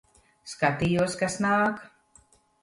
Skatījos, kas nāk.